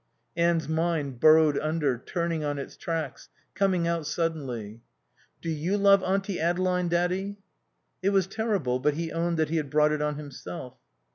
Anne's mind burrowed under, turning on its tracks, coming out suddenly. "Do you love Auntie Adeline, Daddy?" It was terrible, but he owned that he had brought it on himself.